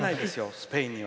スペインには。